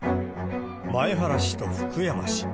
前原氏と福山氏。